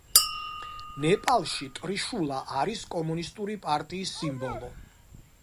ნეპალში ტრიშულა არის კომუნისტური პარტიის სიმბოლო.